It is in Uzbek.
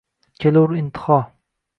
Kelur intiho